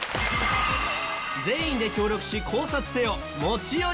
全員で協力し考察せよ。